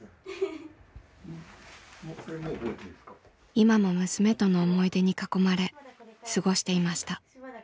今も娘との思い出に囲まれ過ごしていました。